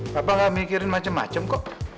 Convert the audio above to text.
papa nggak mikirin macem macem kok